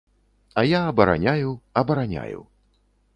А я абараняю, абараняю.